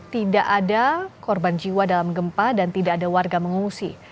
tidak ada korban jiwa dalam gempa dan tidak ada warga mengungsi